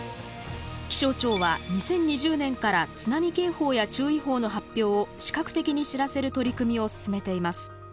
気象庁は２０２０年から津波警報や注意報の発表を視覚的に知らせる取り組みを進めています。